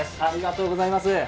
ありがとうございます。